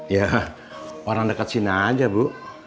ya orang dekat sini aja bu